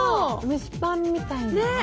蒸しパンみたいだな。